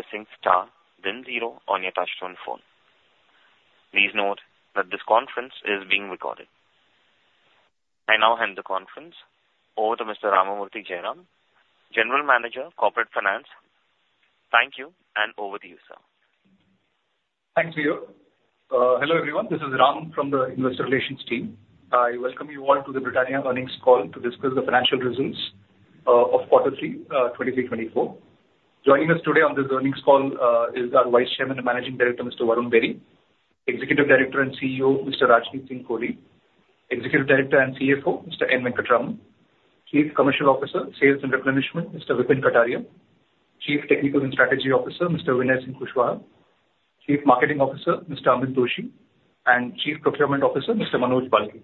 By pressing star then zero on your touch-tone phone. Please note that this conference is being recorded. I now hand the conference over to Mr. Ramamurthy Jayaraman General Manager, Corporate Finance. Thank you, and over to you, sir. Thanks, Leo. Hello, everyone. This is Ram from the Investor Relations team. I welcome you all to the Britannia Earnings Call to discuss the financial results of quarter 3, 2023/2024. Joining us today on this earnings call is our Vice Chairman and Managing Director, Mr. Varun Berry; Executive Director and CEO, Mr. Rajneet Singh Kohli; Executive Director and CFO, Mr. N. Venkataraman; Chief Commercial Officer, Sales and Replenishment, Mr. Vipin Kataria; Chief Technical and Strategy Officer, Mr. Vinay Singh Kushwaha; Chief Marketing Officer, Mr. Amit Doshi; and Chief Procurement Officer, Mr. Manoj Balgi.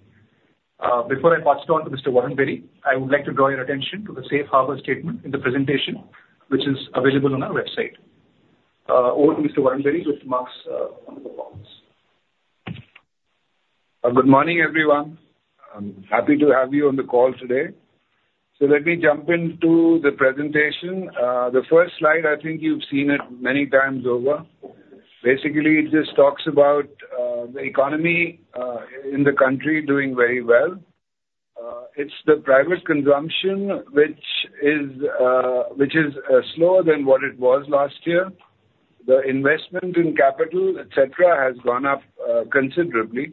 Before I pass it on to Mr. Varun Berry, I would like to draw your attention to the safe harbor statement in the presentation, which is available on our website. Over to Mr. Varun Berry, with remarks on the performance. Good morning, everyone. I'm happy to have you on the call today. So let me jump into the presentation. The first slide, I think you've seen it many times over. Basically, it just talks about the economy in the country doing very well. It's the private consumption which is slower than what it was last year. The investment in capital, et cetera, has gone up considerably.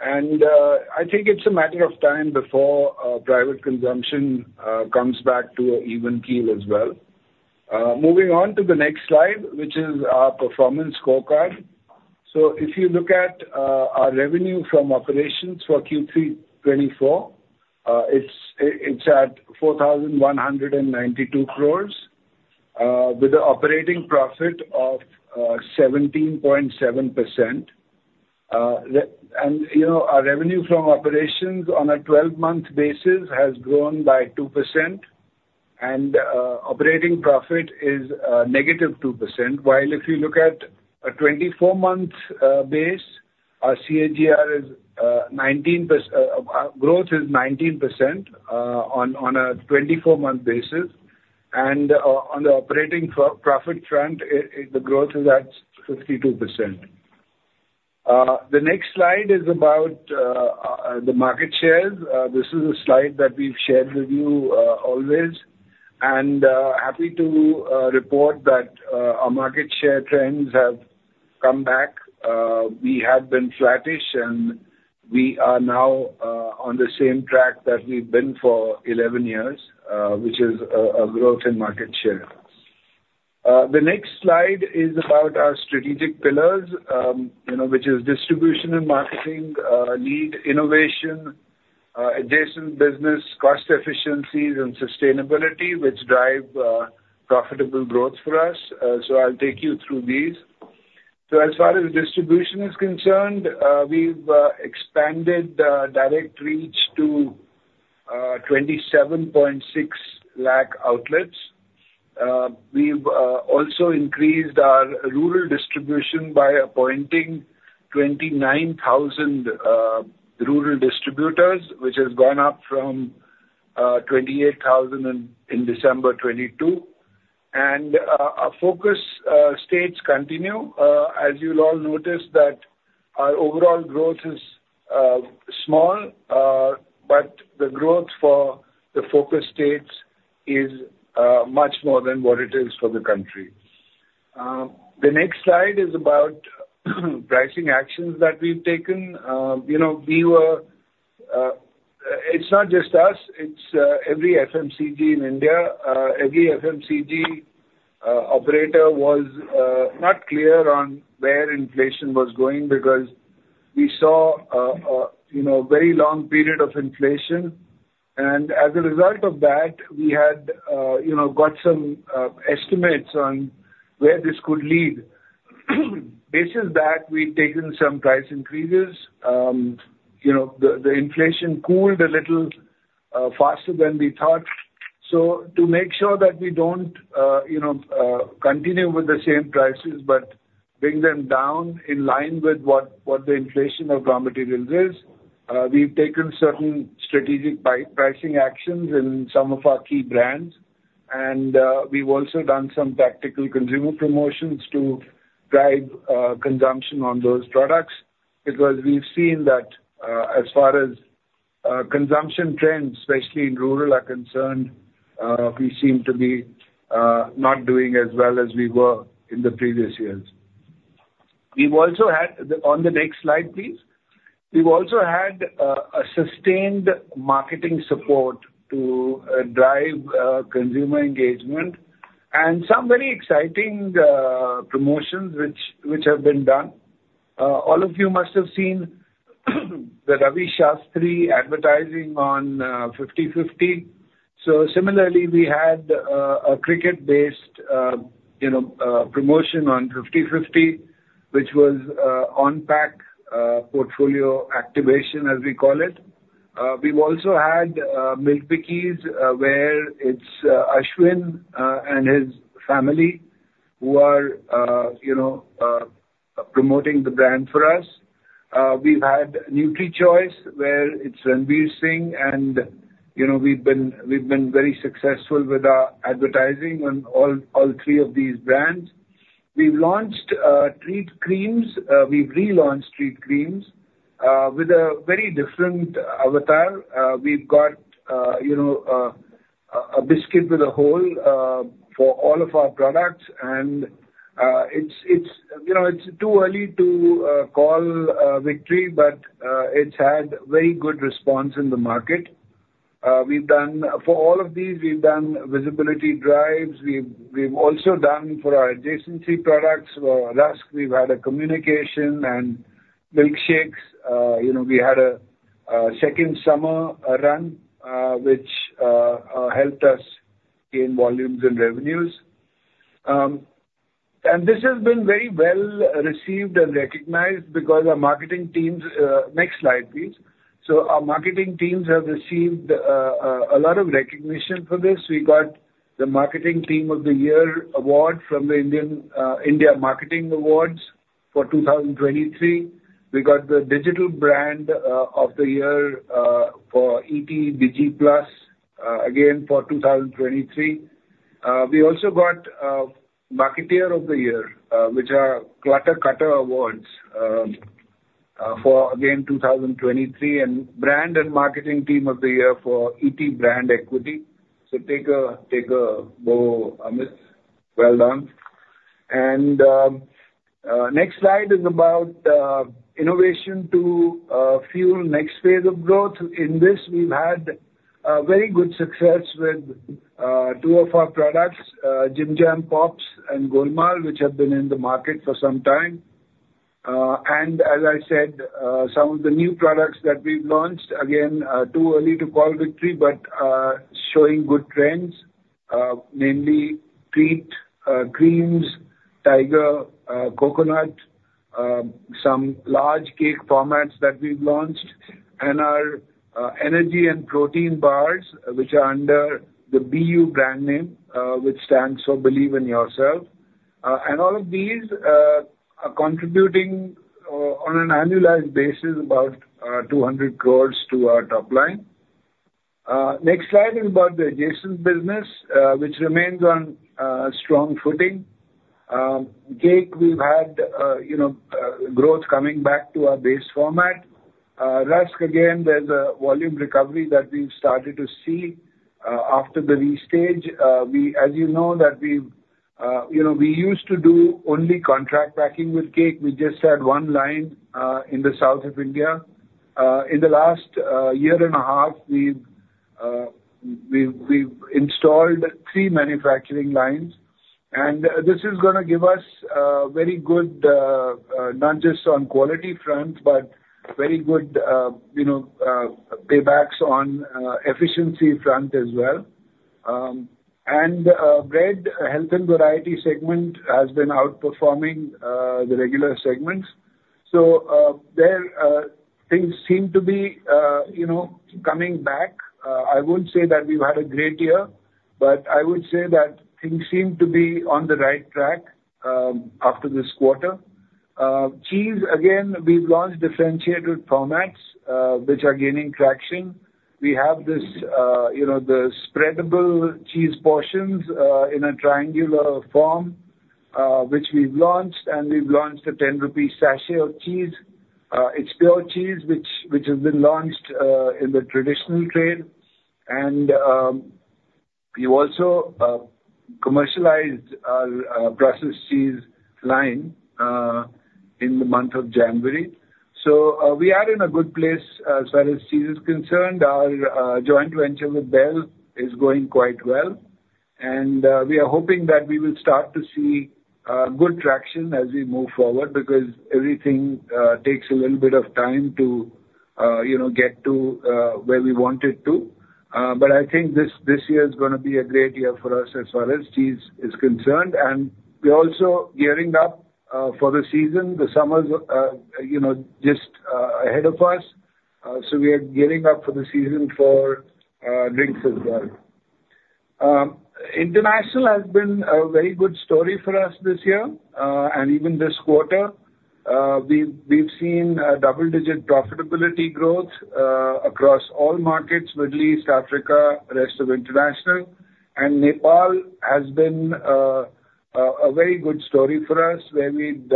I think it's a matter of time before private consumption comes back to an even keel as well. Moving on to the next slide, which is our performance scorecard. So if you look at our revenue from operations for Q3 2024, it's at 4,192 crore with the operating profit of 17.7%. And, you know, our revenue from operations on a 12-month basis has grown by 2%, and operating profit is negative 2%. While if you look at a 24-month base, our CAGR growth is 19% on a 24-month basis. And on the operating profit front, the growth is at 52%. The next slide is about the market shares. This is a slide that we've shared with you always, and happy to report that our market share trends have come back. We had been flattish, and we are now on the same track that we've been for 11 years, which is a growth in market share. The next slide is about our strategic pillars, you know, which is distribution and marketing, lead innovation, adjacent business, cost efficiencies, and sustainability, which drive profitable growth for us. So I'll take you through these. So as far as distribution is concerned, we've expanded the direct reach to 27.6 lakh outlets. We've also increased our rural distribution by appointing 29,000 rural distributors, which has gone up from 28,000 in December 2022. Our focus states continue. As you'll all notice, that our overall growth is small, but the growth for the focus states is much more than what it is for the country. The next slide is about pricing actions that we've taken. You know, we were... It's not just us, it's every FMCG in India. Every FMCG operator was not clear on where inflation was going because we saw, you know, a very long period of inflation. As a result of that, we had, you know, got some estimates on where this could lead. Based on that, we've taken some price increases. You know, the inflation cooled a little faster than we thought. To make sure that we don't, you know, continue with the same prices, but bring them down in line with what the inflation of raw materials is, we've taken certain strategic pricing actions in some of our key brands, and we've also done some tactical consumer promotions to drive consumption on those products. Because we've seen that, as far as consumption trends, especially in rural, are concerned, we seem to be not doing as well as we were in the previous years. We've also had... On the next slide, please. We've also had a sustained marketing support to drive consumer engagement and some very exciting promotions which have been done. All of you must have seen the Ravi Shastri advertising on 50-50. So similarly, we had a cricket-based, you know, promotion on 50-50, which was on-pack portfolio activation, as we call it. We've also had Milk Bikis, where it's Ashwin and his family who are, you know, promoting the brand for us. We've had NutriChoice, where it's Ranveer Singh, and, you know, we've been very successful with our advertising on all three of these brands. We've launched Treat Creams. We've relaunched Treat Creams with a very different avatar. We've got, you know, a biscuit with a hole for all of our products. And it's, you know, it's too early to call a victory, but it's had very good response in the market. We've done visibility drives for all of these. We've also done for our adjacency products. For Rusk, we've had a communication and milkshakes. You know, we had a second summer run, which helped us gain volumes and revenues. And this has been very well received and recognized because our marketing teams... Next slide, please. So our marketing teams have received a lot of recognition for this. We got the Marketing Team of the Year award from the India Marketing Awards for 2023. We got the Digital Brand of the Year for ET DigiPlus again for 2023. We also got Marketeer of the Year, which are Clutter Cutter awards, for again 2023, and Brand and Marketing Team of the Year for ET Brand Equity. So take a bow, Amit. Well done. Next slide is about innovation to fuel next phase of growth. In this, we've had very good success with two of our products, Jim Jam Pops and Golmaal, which have been in the market for some time. As I said, some of the new products that we've launched, again, too early to call victory, but showing good trends. Mainly Treat Creams, Tiger Coconut, some large cake formats that we've launched, and our energy and protein bars, which are under the Be You brand name, which stands for Believe in Yourself. And all of these are contributing, on an annualized basis, about 200 crore to our top line. Next slide is about the adjacent business, which remains on strong footing. Cake we've had, you know, growth coming back to our base format. Rusk, again, there's a volume recovery that we've started to see, after the restage. We, as you know, that we've, you know, we used to do only contract packing with cake. We just had one line in the south of India. In the last year and a half, we've installed three manufacturing lines, and this is gonna give us very good not just on quality front, but very good you know paybacks on efficiency front as well. And bread health and variety segment has been outperforming the regular segments. So there things seem to be you know coming back. I wouldn't say that we've had a great year, but I would say that things seem to be on the right track after this quarter. Cheese, again, we've launched differentiated formats which are gaining traction. We have this, you know, the spreadable cheese portions in a triangular form, which we've launched, and we've launched a 10 rupee sachet of cheese. It's pure cheese, which has been launched in the Traditional Trade. And we also commercialized our processed cheese line in the month of January. So we are in a good place as far as cheese is concerned. Our joint venture with Bel is going quite well, and we are hoping that we will start to see good traction as we move forward, because everything takes a little bit of time to, you know, get to where we want it to. But I think this year is gonna be a great year for us as far as cheese is concerned. We're also gearing up for the season. The summer's, you know, just ahead of us, so we are gearing up for the season for drinks as well. International has been a very good story for us this year. And even this quarter, we've seen a double-digit profitability growth across all markets, Middle East, Africa, rest of international. And Nepal has been a very good story for us, where we'd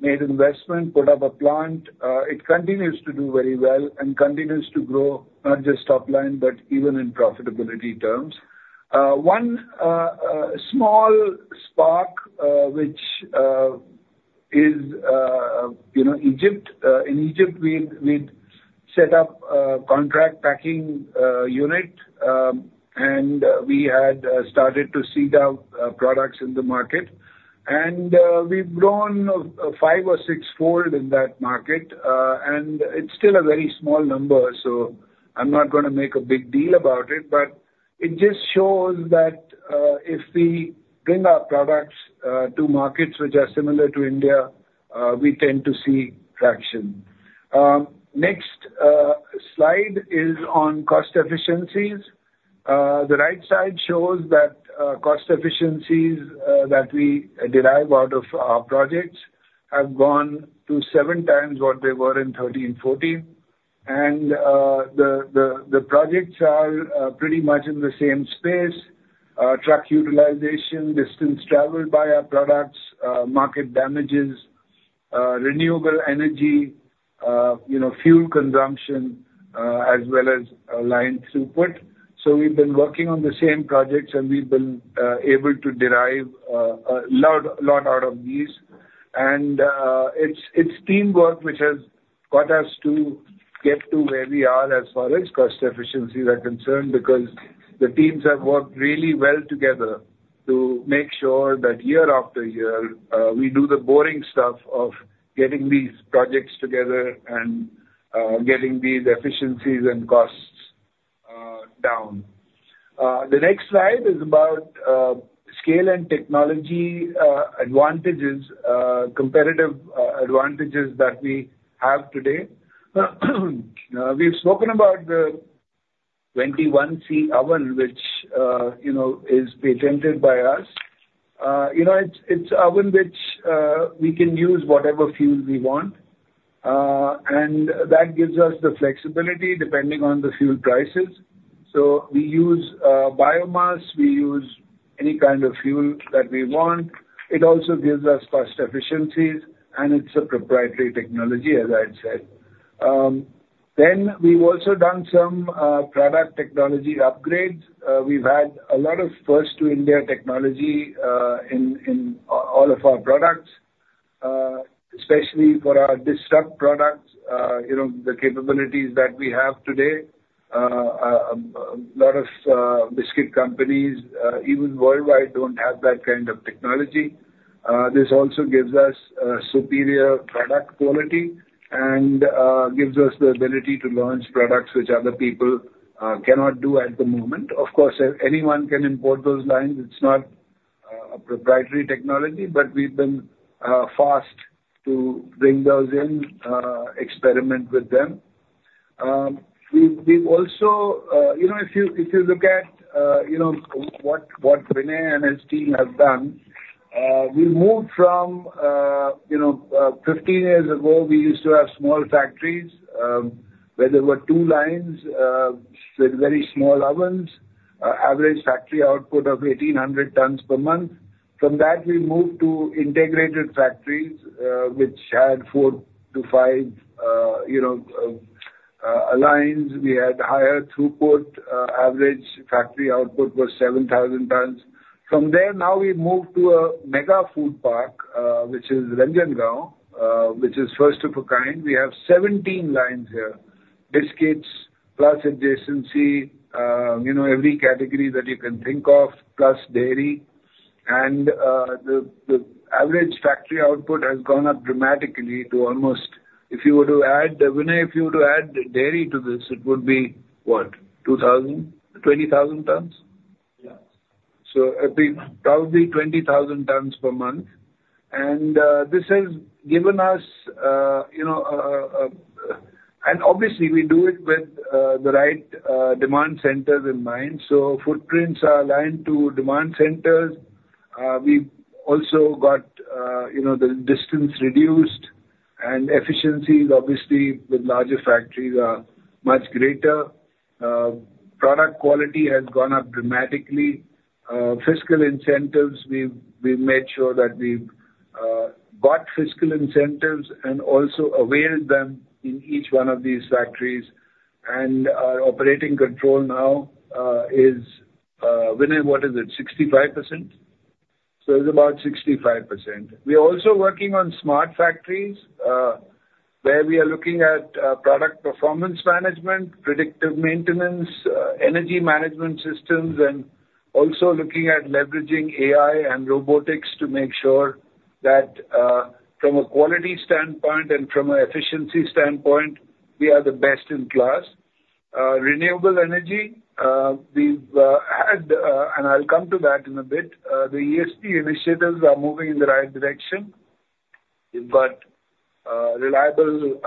made investment, put up a plant. It continues to do very well and continues to grow, not just top line, but even in profitability terms. One small spark, which is, you know, Egypt. In Egypt, we'd set up a contract packing unit, and we had started to see our products in the market. We've grown 5 or 6-fold in that market. It's still a very small number, so I'm not gonna make a big deal about it, but it just shows that, if we bring our products to markets which are similar to India, we tend to see traction. Next, slide is on cost efficiencies. The right side shows that, cost efficiencies that we derive out of our projects have gone to 7 times what they were in 2013, 2014. The projects are pretty much in the same space, truck utilization, distance traveled by our products, market damages, renewable energy, you know, fuel consumption, as well as, line throughput. So we've been working on the same projects, and we've been able to derive a lot, lot out of these. It's teamwork which has got us to get to where we are as far as cost efficiencies are concerned. Because the teams have worked really well together to make sure that year after year we do the boring stuff of getting these projects together and getting these efficiencies and costs down. The next slide is about scale and technology advantages, competitive advantages that we have today. We've spoken about the 21C oven, which you know is patented by us. You know, it's an oven which we can use whatever fuel we want, and that gives us the flexibility depending on the fuel prices. So we use biomass, we use any kind of fuel that we want. It also gives us cost efficiencies, and it's a proprietary technology, as I've said. Then we've also done some product technology upgrades. We've had a lot of first to India technology in all of our products, especially for our disrupt products, you know, the capabilities that we have today. A lot of biscuit companies, even worldwide, don't have that kind of technology. This also gives us superior product quality and gives us the ability to launch products which other people cannot do at the moment. Of course, anyone can import those lines. It's not a proprietary technology, but we've been fast to bring those in, experiment with them. We've also... You know, if you, if you look at, you know, what, what Vinay and his team have done, we've moved from, you know, 15 years ago, we used to have small factories, where there were 2 lines, with very small ovens, average factory output of 1,800 tons per month. From that, we moved to integrated factories, which had 4-5, you know, lines. We had higher throughput. Average factory output was 7,000 tons. From there, now we moved to a Mega Food Park, which is Ranjangaon, which is first of a kind. We have 17 lines here, biscuits, plus adjacency, you know, every category that you can think of, plus dairy. And, the, the average factory output has gone up dramatically to almost... If you were to add, Vinay, if you were to add dairy to this, it would be what? 2,000, 20,000 tons? Yes. So it'd be 20,000 tons per month. And this has given us, you know, and obviously, we do it with the right demand centers in mind. So footprints are aligned to demand centers. We've also got, you know, the distance reduced and efficiencies, obviously, with larger factories are much greater. Product quality has gone up dramatically. Fiscal incentives, we've made sure that we've got fiscal incentives and also availed them in each one of these factories. And our operating control now is, Vinay, what is it, 65%? So it's about 65%. We are also working on smart factories, where we are looking at product performance management, predictive maintenance, energy management systems, and also looking at leveraging AI and robotics to make sure that from a quality standpoint and from an efficiency standpoint, we are the best in class. Renewable energy, we've had, and I'll come to that in a bit. The ESG initiatives are moving in the right direction. We've got reliable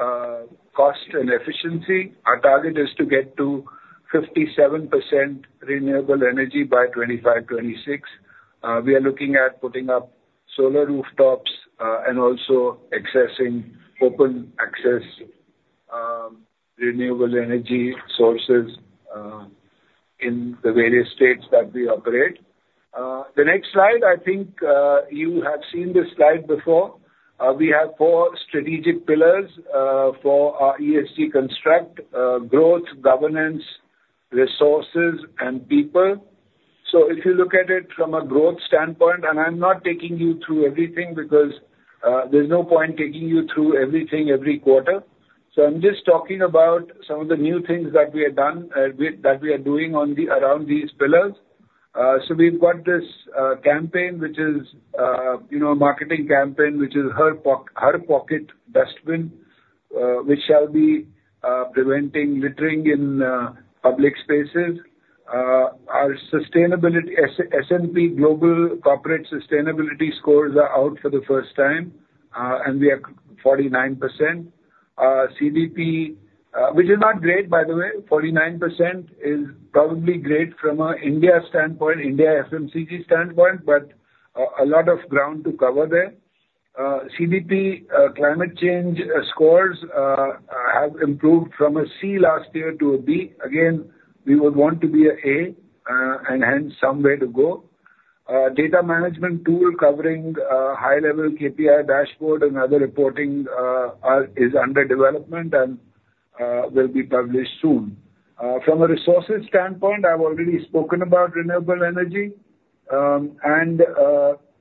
cost and efficiency. Our target is to get to 57% renewable energy by 2025-2026. We are looking at putting up solar rooftops and also accessing open access renewable energy sources in the various states that we operate. The next slide, I think, you have seen this slide before. We have four strategic pillars for our ESG construct: growth, governance, resources, and people. So if you look at it from a growth standpoint, and I'm not taking you through everything, because, there's no point taking you through everything every quarter. So I'm just talking about some of the new things that we have done, with, that we are doing on the, around these pillars. So we've got this campaign, which is, you know, a marketing campaign, which is Her Pocket Dustbin, which shall be preventing littering in public spaces. Our sustainability S&P Global Corporate Sustainability scores are out for the first time, and we are 49%. CDP, which is not great, by the way. 49% is probably great from an India standpoint, India FMCG standpoint, but, a lot of ground to cover there. CDP, climate change, scores, have improved from a C last year to a B. Again, we would want to be an A, and hence, some way to go. Data management tool covering, high-level KPI dashboard and other reporting, are, is under development and, will be published soon. From a resources standpoint, I've already spoken about renewable energy. And,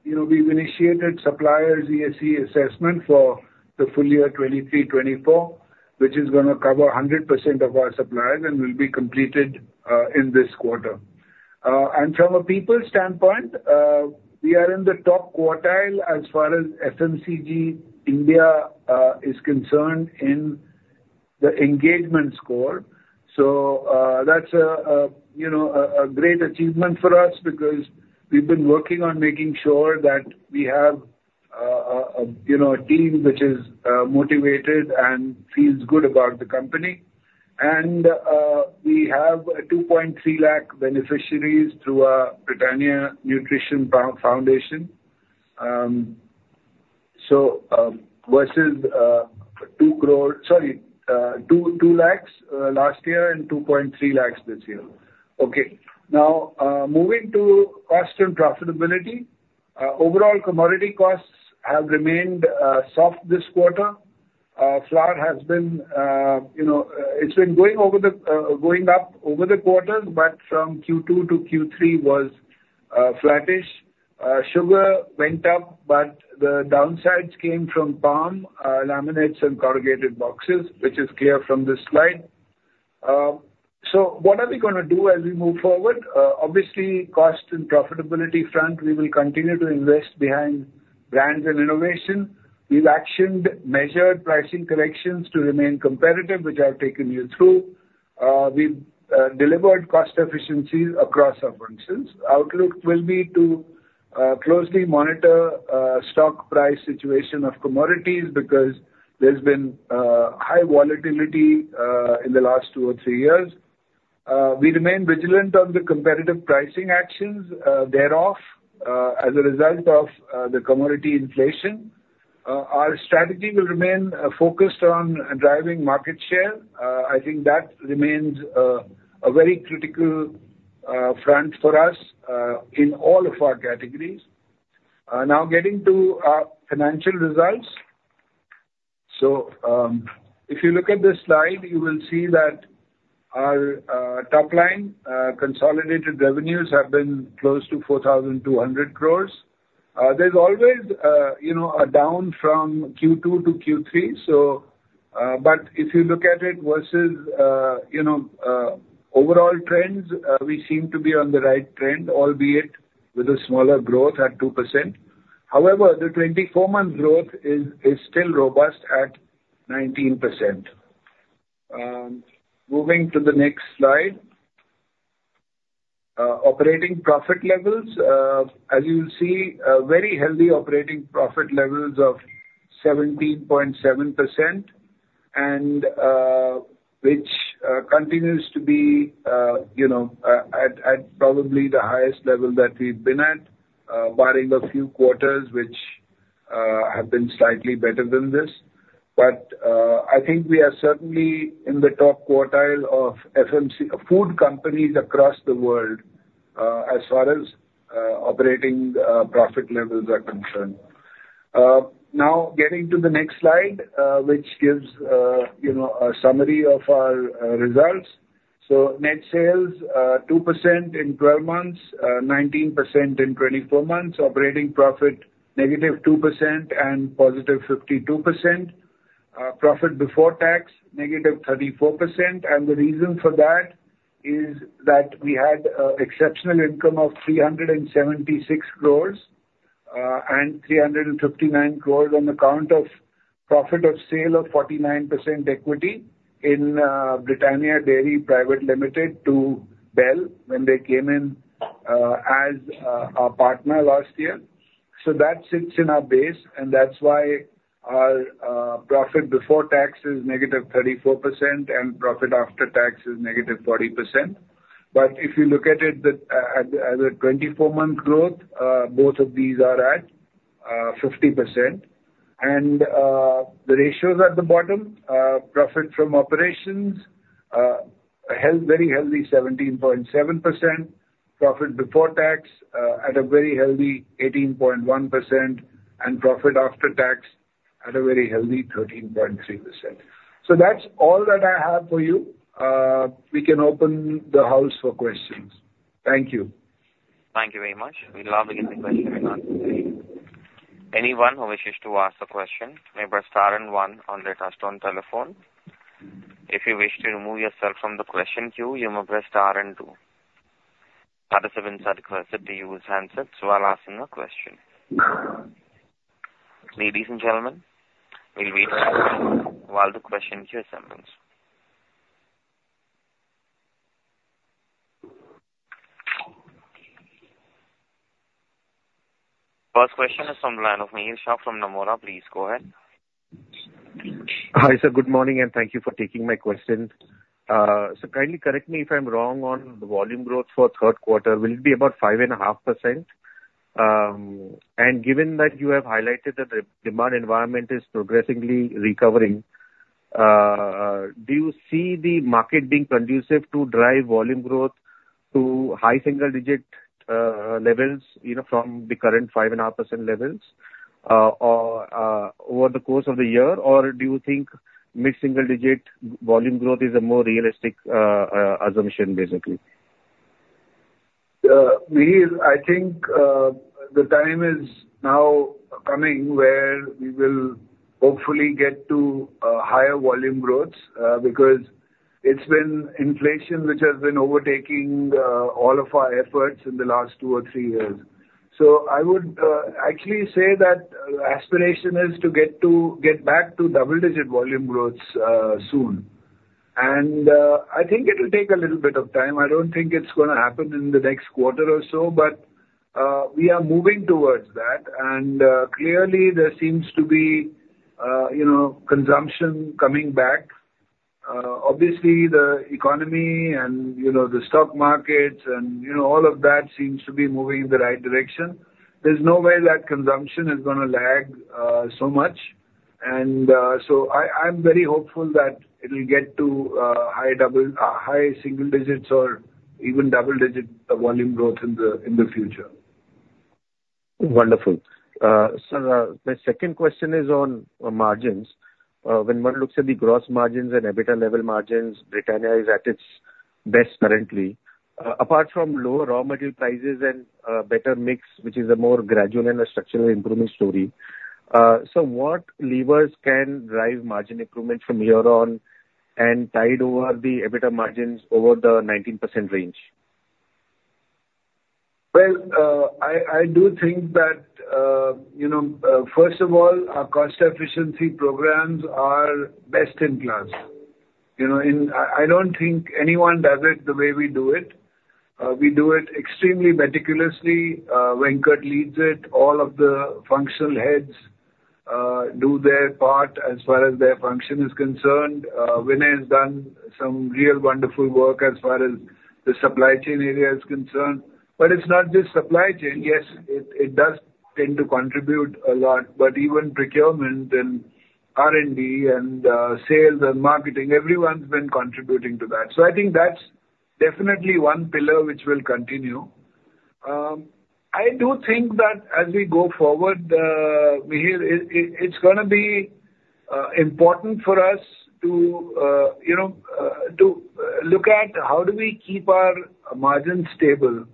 you know, we've initiated supplier ESG assessment for the full year 2023-2024, which is gonna cover 100% of our suppliers and will be completed, in this quarter. And from a people standpoint, we are in the top quartile as far as FMCG India, is concerned in the engagement score. So, that's a, you know, a great achievement for us because we've been working on making sure that we have, you know, a team which is motivated and feels good about the company. And, we have a 2.3 lakh beneficiaries through our Britannia Nutrition Foundation. So, versus, two crore... Sorry, two, two lakhs, last year and 2.3 lakhs this year. Okay. Now, moving to cost and profitability. Overall commodity costs have remained soft this quarter. Flour has been, you know, it's been going up over the quarter, but from Q2 to Q3 was flattish. Sugar went up, but the downsides came from palm, laminates and corrugated boxes, which is clear from this slide. So what are we gonna do as we move forward? Obviously, cost and profitability front, we will continue to invest behind brands and innovation. We've actioned measured pricing corrections to remain competitive, which I've taken you through. We've delivered cost efficiencies across our functions. Outlook will be to closely monitor stock price situation of commodities because there's been high volatility in the last two or three years. We remain vigilant on the competitive pricing actions thereof as a result of the commodity inflation. Our strategy will remain focused on driving market share. I think that remains a very critical front for us in all of our categories. Now getting to our financial results. So, if you look at this slide, you will see that our top line consolidated revenues have been close to 4,200 crore. There's always a, you know, a down from Q2 to Q3, so, but if you look at it versus, you know, overall trends, we seem to be on the right trend, albeit with a smaller growth at 2%. However, the 24-month growth is still robust at 19%. Moving to the next slide. Operating profit levels, as you will see, a very healthy operating profit levels of 17.7%, and which continues to be, you know, at, at probably the highest level that we've been at, barring a few quarters, which have been slightly better than this. But, I think we are certainly in the top quartile of FMCG food companies across the world, as far as operating profit levels are concerned. Now, getting to the next slide, which gives you know a summary of our results. So net sales 2% in 12 months, 19% in 24 months. Operating profit, -2% and +52%. Profit before tax, -34%, and the reason for that is that we had exceptional income of 376 crores and 359 crores on account of profit on sale of 49% equity in Britannia Dairy Private Limited to Bel, when they came in as our partner last year. So that sits in our base, and that's why our profit before tax is -34% and profit after tax is -40%. But if you look at it as a 24-month growth, both of these are at 50%. And the ratios at the bottom, profit from operations, a very healthy 17.7%. Profit before tax at a very healthy 18.1%, and profit after tax at a very healthy 13.3%. So that's all that I have for you. We can open the house for questions. Thank you. Thank you very much. We'll now begin the question and answer period. Anyone who wishes to ask a question, may press star and one on their touchtone telephone. If you wish to remove yourself from the question queue, you may press star and two. Participants are requested to use handsets while asking a question. Ladies and gentlemen, we'll wait a moment while the questions assemble. First question is from the line of Mihir Shah from Nomura. Please go ahead. Hi, sir. Good morning, and thank you for taking my question. So kindly correct me if I'm wrong on the volume growth for third quarter, will it be about 5.5%? And given that you have highlighted that the demand environment is progressively recovering, do you see the market being conducive to drive volume growth to high single-digit levels, you know, from the current 5.5% levels, or over the course of the year? Or do you think mid-single-digit volume growth is a more realistic assumption, basically? Mihir, I think the time is now coming where we will hopefully get to higher volume growths because it's been inflation which has been overtaking all of our efforts in the last two or three years. So I would actually say that aspiration is to get to, get back to double-digit volume growths soon. And I think it will take a little bit of time. I don't think it's gonna happen in the next quarter or so, but we are moving towards that. And clearly there seems to be, you know, consumption coming back. Obviously, the economy and, you know, the stock markets and, you know, all of that seems to be moving in the right direction. There's no way that consumption is gonna lag so much. So, I'm very hopeful that it'll get to high single digits or even double-digit volume growth in the future. Wonderful. Sir, my second question is on margins. When one looks at the gross margins and EBITDA level margins, Britannia is at its best currently. Apart from lower raw material prices and better mix, which is a more gradual and a structural improvement story, so what levers can drive margin improvement from here on, and tide over the EBITDA margins over the 19% range? Well, I do think that, you know, first of all, our cost efficiency programs are best in class. You know, and I don't think anyone does it the way we do it. We do it extremely meticulously. Venkat leads it. All of the functional heads do their part as far as their function is concerned. Vinay has done some real wonderful work as far as the supply chain area is concerned. But it's not just supply chain. Yes, it does tend to contribute a lot, but even procurement and R&D and sales and marketing, everyone's been contributing to that. So I think that's definitely one pillar which will continue. I do think that as we go forward, Mihir, it's gonna be important for us to you know to look at how do we keep our margins stable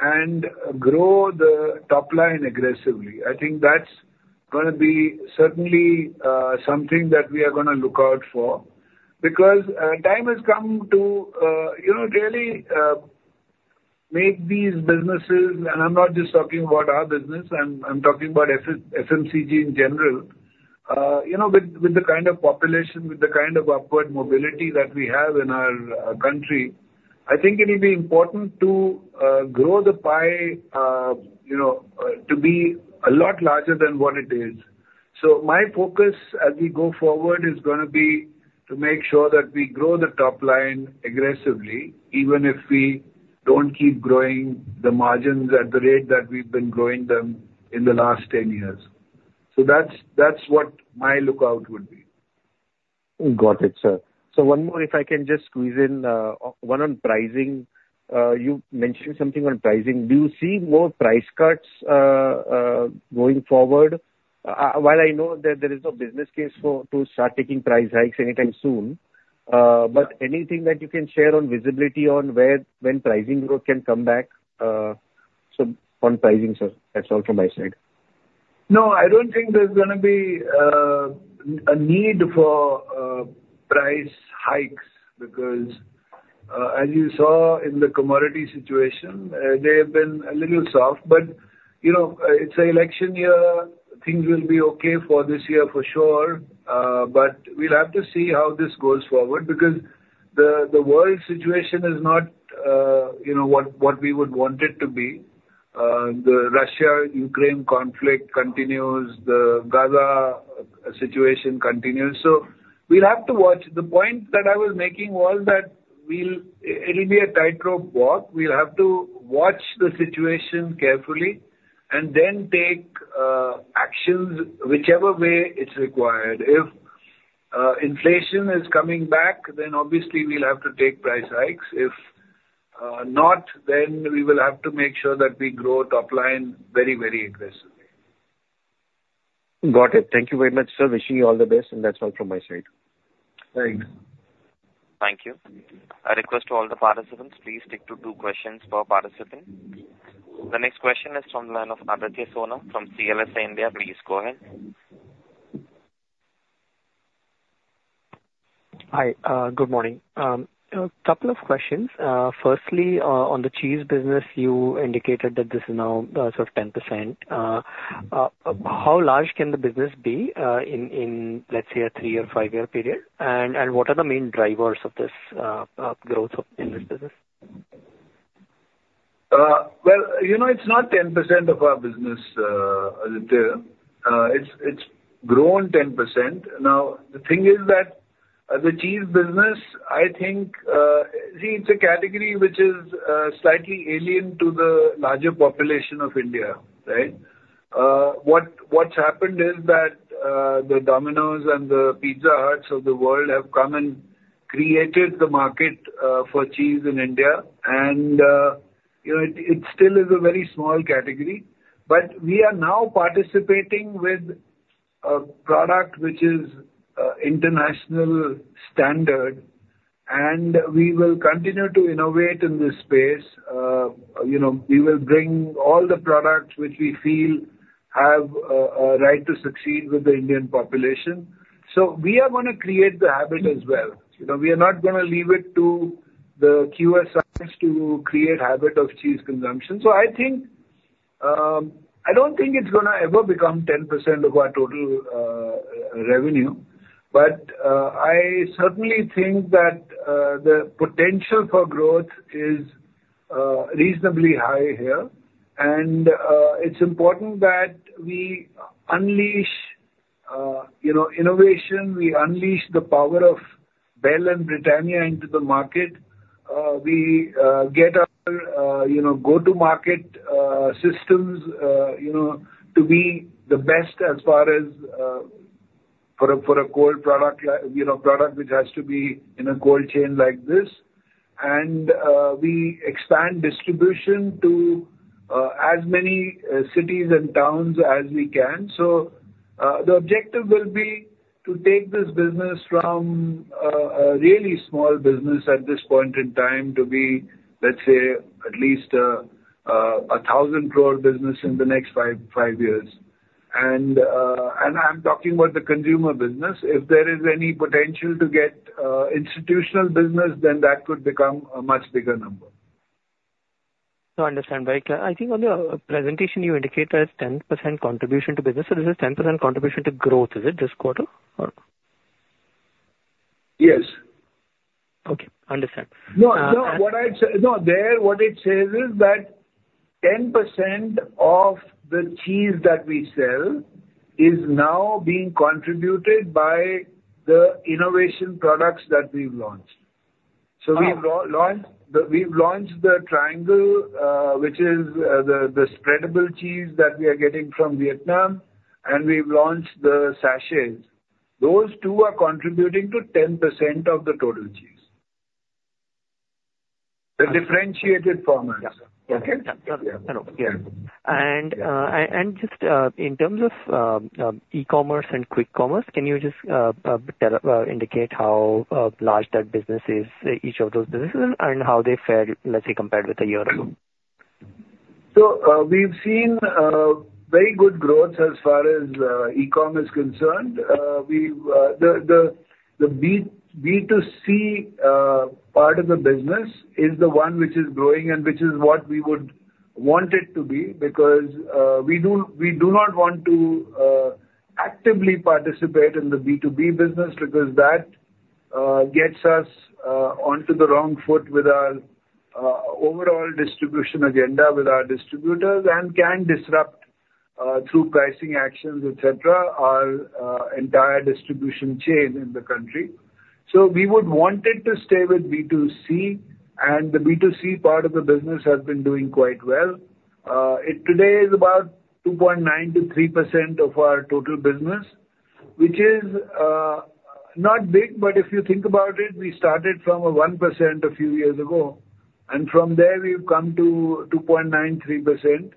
and grow the top line aggressively. I think that's gonna be certainly something that we are gonna look out for. Because time has come to you know really make these businesses, and I'm not just talking about our business, I'm talking about FMCG in general. You know with the kind of population, with the kind of upward mobility that we have in our country, I think it will be important to grow the pie you know to be a lot larger than what it is. So my focus as we go forward, is gonna be to make sure that we grow the top line aggressively, even if we don't keep growing the margins at the rate that we've been growing them in the last 10 years. So that's, that's what my lookout would be. Got it, sir. So one more, if I can just squeeze in, one on pricing. You mentioned something on pricing. Do you see more price cuts going forward? While I know that there is no business case for to start taking price hikes anytime soon, but anything that you can share on visibility on where when pricing growth can come back, so on pricing, sir. That's all from my side. No, I don't think there's gonna be a need for price hikes, because as you saw in the commodity situation, they have been a little soft, but you know, it's an election year. Things will be okay for this year for sure, but we'll have to see how this goes forward because the world situation is not, you know, what we would want it to be. The Russia-Ukraine conflict continues, the Gaza situation continues, so we'll have to watch. The point that I was making was that we'll... it'll be a tightrope walk. We'll have to watch the situation carefully and then take actions whichever way it's required. If inflation is coming back, then obviously we'll have to take price hikes. If not, then we will have to make sure that we grow top line very, very aggressively. Got it. Thank you very much, sir. Wishing you all the best, and that's all from my side. Thanks. Thank you. A request to all the participants, please stick to two questions per participant. The next question is from the line of Aditya Soman from CLSA India. Please go ahead. Hi, good morning. A couple of questions. Firstly, on the cheese business, you indicated that this is now, sort of 10%. How large can the business be, in, let's say, a 3- or 5-year period? And, what are the main drivers of this, growth of... in this business?... You know, it's not 10% of our business, Aditya. It's grown 10%. Now, the thing is that the cheese business, I think, see, it's a category which is slightly alien to the larger population of India, right? What's happened is that the Domino's and the Pizza Huts of the world have come and created the market for cheese in India, and you know, it still is a very small category, but we are now participating with a product which is international standard, and we will continue to innovate in this space. You know, we will bring all the products which we feel have a right to succeed with the Indian population. So we are gonna create the habit as well. You know, we are not gonna leave it to the QSRs to create habit of cheese consumption. So I think, I don't think it's gonna ever become 10% of our total revenue, but, I certainly think that, the potential for growth is, reasonably high here. And, it's important that we unleash, you know, innovation, we unleash the power of Bel and Britannia into the market. We, get our, you know, go-to-market, systems, you know, to be the best as far as, for a, for a cold product, like, you know, product which has to be in a cold chain like this. And, we expand distribution to, as many, cities and towns as we can. The objective will be to take this business from a really small business at this point in time to be, let's say, at least 1,000 crore business in the next five years. I'm talking about the consumer business. If there is any potential to get institutional business, then that could become a much bigger number. No, I understand very clearly. I think on the presentation you indicate that it's 10% contribution to business, so this is 10% contribution to growth, is it this quarter, or? Yes. Okay, understand. No, no, what I said, no, there, what it says is that 10% of the cheese that we sell is now being contributed by the innovation products that we've launched. Ah. So we've launched the triangle, which is the spreadable cheese that we are getting from Vietnam, and we've launched the sachets. Those two are contributing to 10% of the total cheese. The differentiated formats. Yeah. Okay? Yeah. Hello, yeah. And, and just, in terms of, e-commerce and quick commerce, can you just, tell, indicate how large that business is, each of those businesses, and how they fared, let's say, compared with a year ago? So, we've seen very good growth as far as e-com is concerned. The B2C part of the business is the one which is growing and which is what we would want it to be, because we do not want to actively participate in the B2B business, because that gets us onto the wrong foot with our overall distribution agenda with our distributors, and can disrupt through pricing actions, et cetera, our entire distribution chain in the country. So we would want it to stay with B2C, and the B2C part of the business has been doing quite well. It today is about 2.9%-3% of our total business, which is not big, but if you think about it, we started from 1% a few years ago, and from there we've come to 2.93%.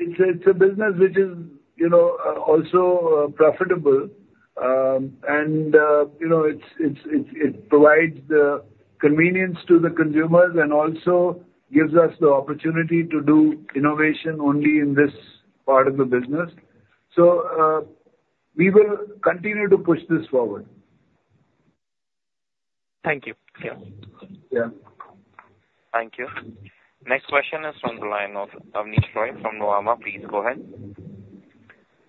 It's a business which is, you know, also profitable. And you know, it provides the convenience to the consumers and also gives us the opportunity to do innovation only in this part of the business. So, we will continue to push this forward. Thank you. Yeah. Yeah. Thank you. Next question is from the line of Abneesh Roy from Nuvama. Please go ahead.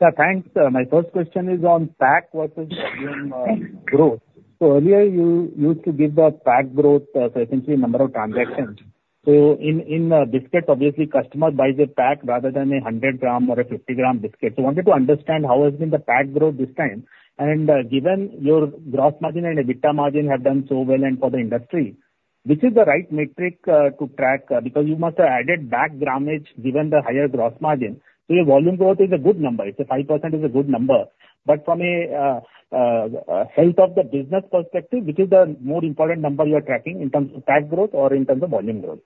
Yeah, thanks. My first question is on pack versus volume growth. So earlier, you used to give the pack growth, so essentially number of transactions. So in biscuits, obviously customer buys a pack rather than a 100-gram or a 50-gram biscuit. So I wanted to understand how has been the pack growth this time, and given your gross margin and EBITDA margin have done so well and for the industry, which is the right metric to track, because you must have added back grammage, given the higher gross margin. So your volume growth is a good number, it's a 5% is a good number, but from a health of the business perspective, which is the more important number you are tracking in terms of pack growth or in terms of volume growth?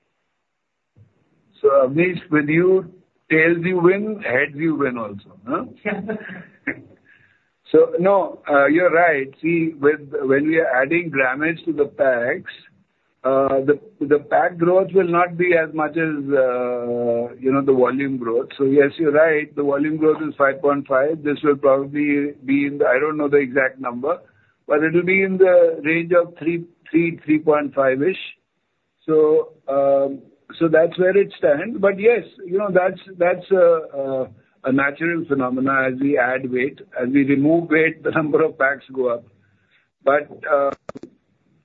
So Abneesh, with you, tails you win, heads you win also, huh? So no, you're right. See, with when we are adding grammage to the packs, the, the pack growth will not be as much as, you know, the volume growth. So yes, you're right, the volume growth is 5.5. This will probably be in the... I don't know the exact number, but it'll be in the range of 3, 3, 3.5-ish. So, so that's where it stands. But yes, you know, that's, that's, a natural phenomena as we add weight. As we remove weight, the number of packs go up.... But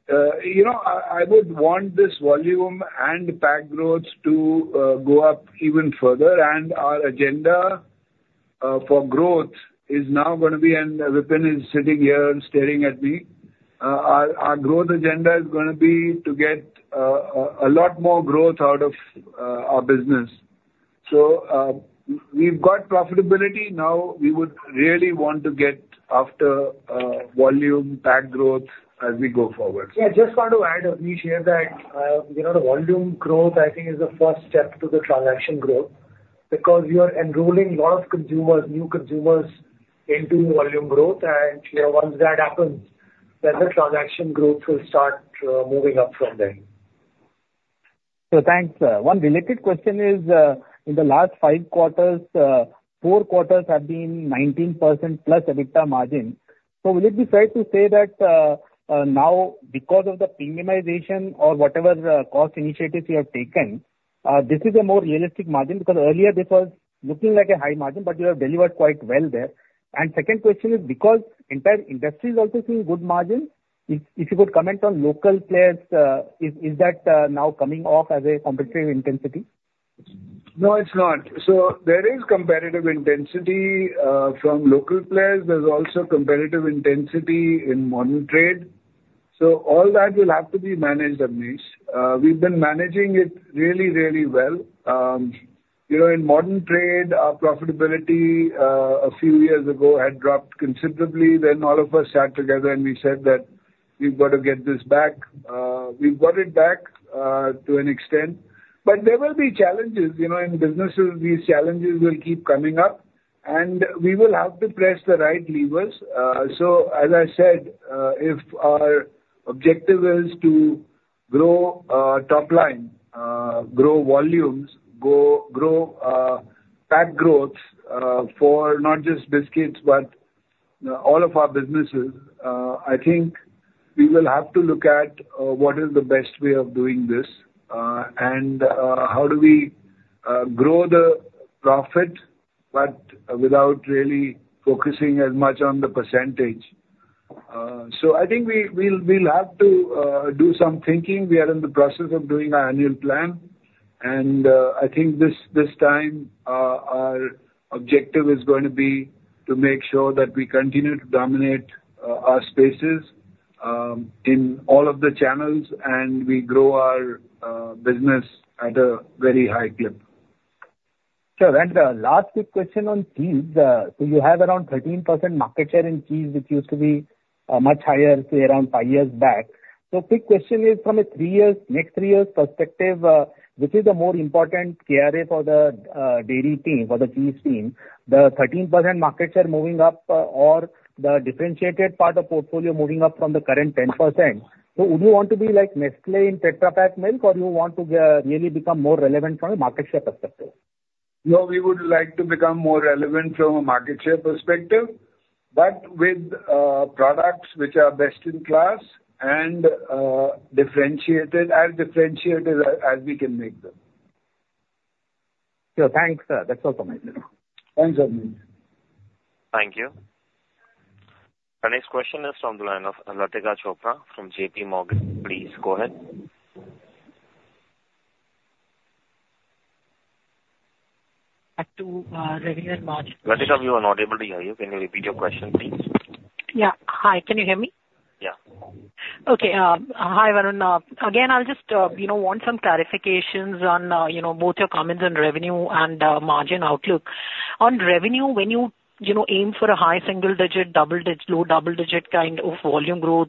you know, I would want this volume and pack growth to go up even further, and our agenda for growth is now gonna be, and Vipin is sitting here and staring at me, our growth agenda is gonna be to get a lot more growth out of our business. So we've got profitability, now we would really want to get after volume, pack growth as we go forward. Yeah, just want to add, Abneesh, hear that, you know, the volume growth, I think, is the first step to the transaction growth, because we are enrolling a lot of consumers, new consumers into volume growth, and once that happens, then the transaction growth will start moving up from there. So thanks. One related question is, in the last 5 quarters, 4 quarters have been 19%+ EBITDA margin. So will it be fair to say that, now because of the premiumization or whatever, cost initiatives you have taken, this is a more realistic margin? Because earlier this was looking like a high margin, but you have delivered quite well there. And second question is because entire industry is also seeing good margin, if you could comment on local players, is that now coming off as a competitive intensity? No, it's not. So there is competitive intensity from local players. There's also competitive intensity in modern trade. So all that will have to be managed, Abneesh. We've been managing it really, really well. You know, in modern trade, our profitability a few years ago had dropped considerably. Then all of us sat together and we said that we've got to get this back. We've got it back to an extent, but there will be challenges. You know, in businesses, these challenges will keep coming up, and we will have to press the right levers. So as I said, if our objective is to grow top line, grow volumes, grow pack growth, for not just biscuits but all of our businesses, I think we will have to look at what is the best way of doing this, and how do we grow the profit, but without really focusing as much on the percentage. So I think we'll have to do some thinking. We are in the process of doing our annual plan, and I think this time our objective is going to be to make sure that we continue to dominate our spaces in all of the channels, and we grow our business at a very high clip. Sure. And, last quick question on cheese. So you have around 13% market share in cheese, which used to be, much higher, say, around five years back. So quick question is, from a three years, next three years perspective, which is the more important KRA for the, dairy team, for the cheese team? The 13% market share moving up or the differentiated part of portfolio moving up from the current 10%. So would you want to be like Nestlé in tetra pack milk, or you want to, really become more relevant from a market share perspective? No, we would like to become more relevant from a market share perspective, but with products which are best in class and differentiated, as differentiated as, as we can make them. Sure. Thanks, sir. That's all for me. Thanks, Abneesh. Thank you. The next question is from the line of Latika Chopra from JP Morgan. Please go ahead. As to revenue and margin- Latika, we are not able to hear you. Can you repeat your question, please? Yeah. Hi, can you hear me? Yeah. Okay, hi, Varun. Again, I'll just, you know, want some clarifications on, you know, both your comments on revenue and, margin outlook. On revenue, when you, you know, aim for a high single digit, double dig- low double digit kind of volume growth,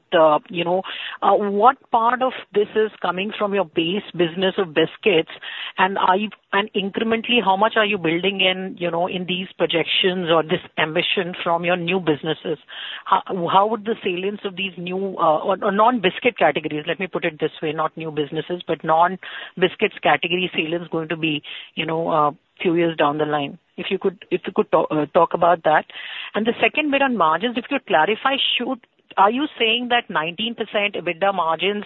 you know, what part of this is coming from your base business of biscuits? And are you... And incrementally, how much are you building in, you know, in these projections or this ambition from your new businesses? How would the salience of these new, or, or non-biscuit categories, let me put it this way, not new businesses, but non-biscuits category salience going to be, you know, few years down the line? If you could, if you could talk, talk about that. And the second bit on margins, if you could clarify, should... Are you saying that 19% EBITDA margins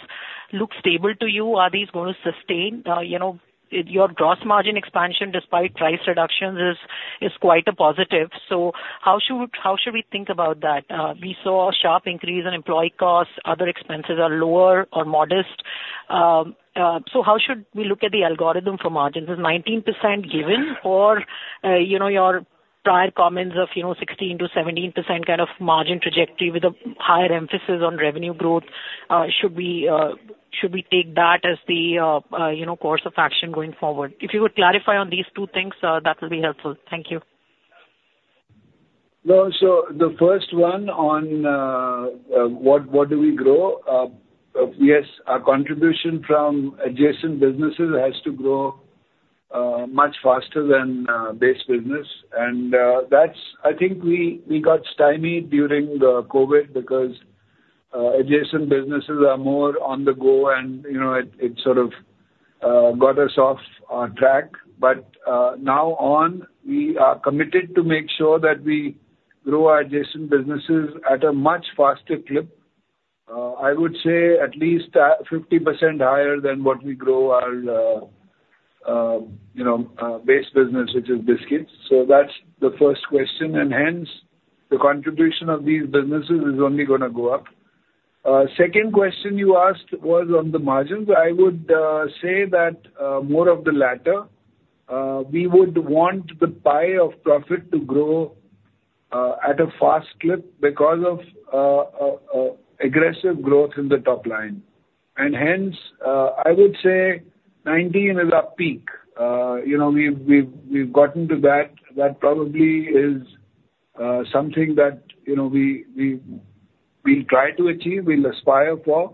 look stable to you? Are these going to sustain? You know, your gross margin expansion, despite price reductions, is quite a positive. So how should we think about that? We saw a sharp increase in employee costs. Other expenses are lower or modest. So how should we look at the algorithm for margins? Is 19% given or, you know, your prior comments of 16%-17% kind of margin trajectory with a higher emphasis on revenue growth, should we take that as the course of action going forward? If you could clarify on these two things, that will be helpful. Thank you. No, so the first one on, what, what do we grow? Yes, our contribution from adjacent businesses has to grow, much faster than, base business. And, that's... I think we, we got stymied during the COVID because, adjacent businesses are more on the go, and, you know, it, it sort of, got us off, track. But, now on, we are committed to make sure that we grow our adjacent businesses at a much faster clip. I would say at least, 50% higher than what we grow our, you know, base business, which is biscuits. So that's the first question, and hence, the contribution of these businesses is only gonna go up. Second question you asked was on the margins. I would, say that, more of the latter. We would want the pie of profit to grow at a fast clip because of aggressive growth in the top line. Hence, I would say 19 is our peak. You know, we've gotten to that. That probably is something that, you know, we will try to achieve, we'll aspire for.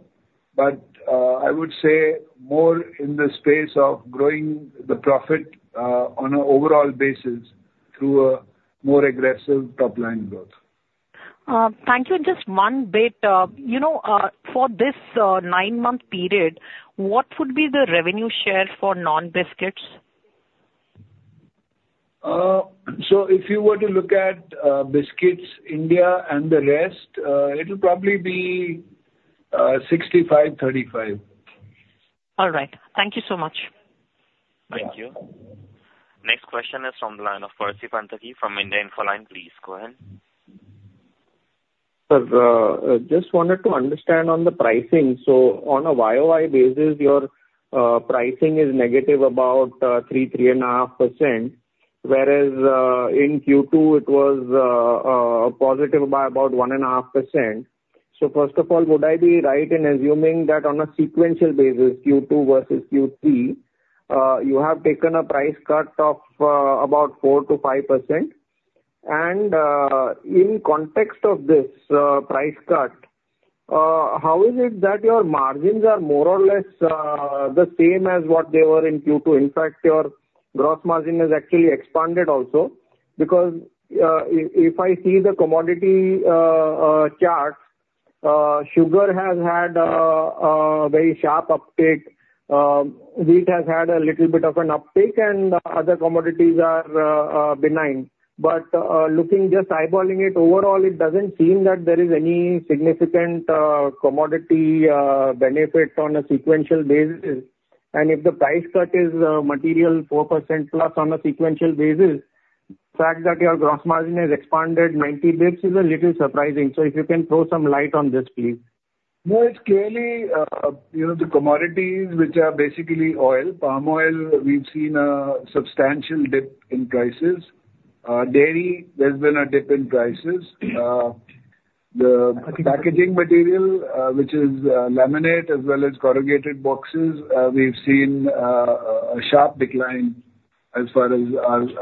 But I would say more in the space of growing the profit on an overall basis through a more aggressive top line growth. Thank you. Just one bit. You know, for this nine-month period, what would be the revenue share for non-biscuits? So if you were to look at biscuits, India, and the rest, it'll probably be 65/35. All right. Thank you so much. Thank you. Next question is from the line of Percy Panthaki from India Infoline. Please go ahead. Sir, I just wanted to understand on the pricing. So on a YOY basis, your pricing is negative about 3-3.5%, whereas in Q2, it was positive by about 1.5%. So first of all, would I be right in assuming that on a sequential basis, Q2 versus Q3, you have taken a price cut of about 4%-5%? And in context of this price cut, how is it that your margins are more or less the same as what they were in Q2? In fact, your gross margin has actually expanded also, because if I see the commodity charts, sugar has had very sharp uptake, wheat has had a little bit of an uptake, and other commodities are benign. But, looking, just eyeballing it overall, it doesn't seem that there is any significant, commodity, benefit on a sequential basis. And if the price cut is, material 4% plus on a sequential basis, the fact that your gross margin has expanded 90 basis is a little surprising. So if you can throw some light on this, please. No, it's clearly, you know, the commodities which are basically oil. Palm oil, we've seen a substantial dip in prices. Dairy, there's been a dip in prices. The packaging material, which is laminate as well as corrugated boxes, we've seen a sharp decline as far as